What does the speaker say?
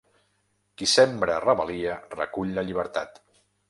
Qui sembra rebel·lia, recull la llibertat.